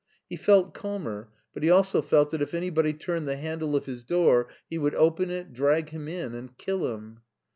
He felt calmer, but he also felt that if anybody turned the handle of his door he would open it, drag him in, and kill him.